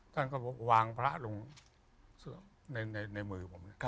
ต้านต้องวางพระลงในมือผม